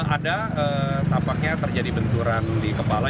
ada tampaknya terjadi benturan di kepala